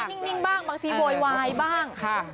นิ่งบ้างบางทีโวยวายบ้าง